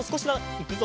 いくぞ！